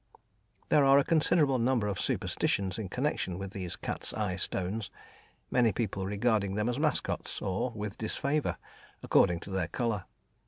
There are a considerable number of superstitions in connection with these cat's eye stones, many people regarding them as mascots, or with disfavour, according to their colour.